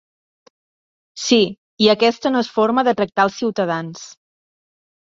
Sí, i aquesta no es forma de tractar als ciutadans!